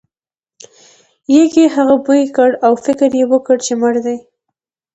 یږې هغه بوی کړ او فکر یې وکړ چې مړ دی.